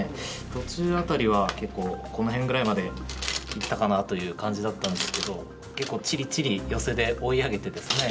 途中辺りは結構この辺ぐらいまでいったかなという感じだったんですけど結構ちりちりヨセで追い上げてですね